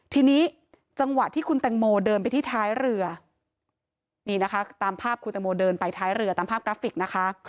ทีนี้จังหวะที่คุณแตงโมเดินไปที่ท้ายเรือนี่นะคะตามภาพคุณตังโมเดินไปท้ายเรือตามภาพกราฟิกนะคะ